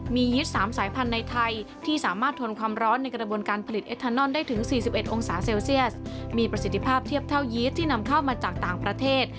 มีประสิทธิภาพเทียบเท่ายีดที่นำเข้ามาจากต่างประเทศ